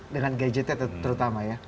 dengan gadgetnya terutama ya